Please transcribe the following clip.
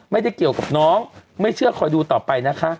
ไม่ได้เกี่ยวกับน้องไม่เชื่อคอยดูต่อไปนะคะ